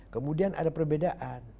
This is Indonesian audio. kemudian ada perbedaan